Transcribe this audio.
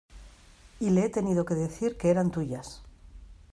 y le he tenido que decir que eran tuyas.